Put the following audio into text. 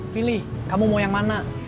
pilih kamu mau yang mana